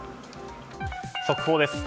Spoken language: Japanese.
速報です。